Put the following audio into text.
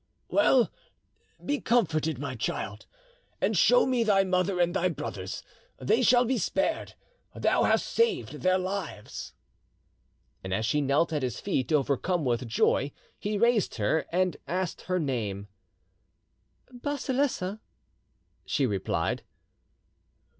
"Well, be comforted, my child, and show me thy mother and thy brothers; they shall be spared. Thou hast saved their lives." And as she knelt at his feet, overcome with joy, he raised her and asked her name. "Basilessa," she replied.